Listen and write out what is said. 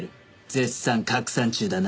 絶賛拡散中だな。